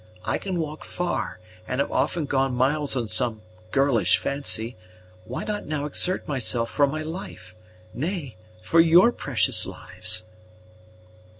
I can walk far, and have often gone miles on some girlish fancy; why not now exert myself for my life? nay, for your precious lives?"